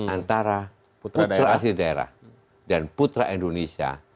antara putra asli daerah dan putra indonesia